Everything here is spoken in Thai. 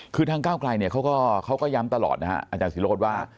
คือทางก้าวไกลเนี่ยเขาก็ย้ำตลอดนะฮะอาจารย์ศิโรธว่า